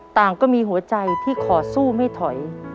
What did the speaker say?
ต่างก็มีหัวใจที่ขอสู้ไม่ถอย